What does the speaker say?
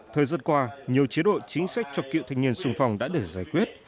thời gian qua nhiều chế độ chính sách cho cựu thanh niên sung phong đã được giải quyết